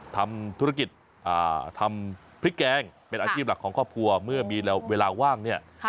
ทำธุรกิจทำพริกแกง